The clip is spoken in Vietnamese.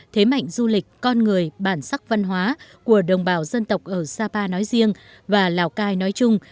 thế mạnh du lịch con người bản sắc văn hóa của đồng bào dân tộc ở sapa nói riêng và lào cai nói chung